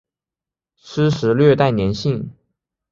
湿时略带黏性。